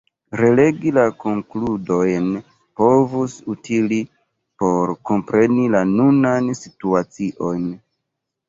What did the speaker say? Relegi la konkludojn povus utili por kompreni la nunan situacion.